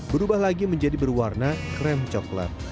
berubah lagi menjadi berwarna krem coklat